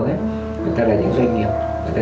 người ta là những doanh nghiệp